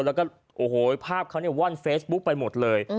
แล้วก็ภาพเขาวั่นเฟซบุ๊กไปหมดเลย